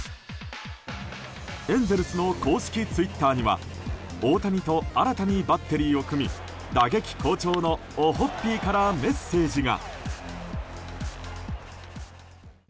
エンゼルスの公式ツイッターには大谷と新たにバッテリーを組み打撃好調のオホッピーからメッセージが。